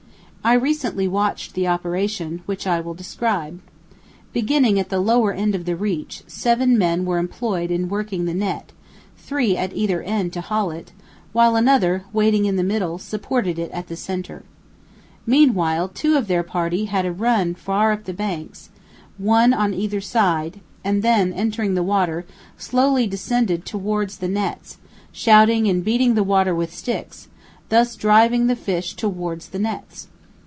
I recently watched the operation, which I will describe. Beginning at the lower end of the reach, seven men were employed in working the net, three at either end to haul it, while another, wading in the middle, supported it at the centre. Meanwhile two of their party had run far up the banks, one on either side, and then, entering the water, slowly descended towards the nets, shouting and beating the water with sticks, thus driving the fish towards the nets.